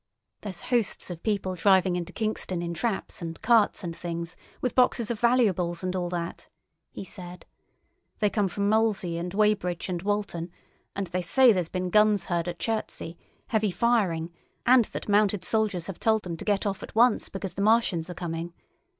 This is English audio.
"There's hosts of people driving into Kingston in traps and carts and things, with boxes of valuables and all that," he said. "They come from Molesey and Weybridge and Walton, and they say there's been guns heard at Chertsey, heavy firing, and that mounted soldiers have told them to get off at once because the Martians are coming.